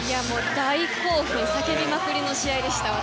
大興奮叫びまくりの試合でした。